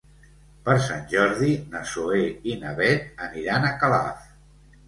Per Sant Jordi na Zoè i na Bet aniran a Calaf.